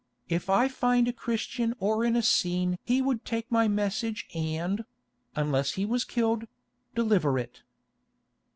If I find a Christian or an Essene he would take my message and—unless he was killed—deliver it."